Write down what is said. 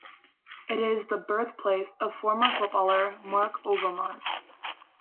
It is the birthplace of former footballer Marc Overmars.